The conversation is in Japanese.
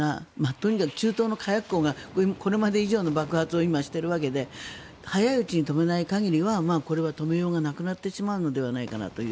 とにかく中東の火薬庫がこれまで以上の爆発を今、しているわけで早いうちに止めない限りはこれは止めようがなくなってしまうのではないかなという。